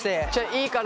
いいから。